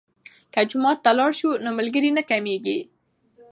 که جومات ته لاړ شو نو ملګري نه کمیږي.